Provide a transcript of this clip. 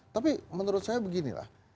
tapi menurut saya beginilah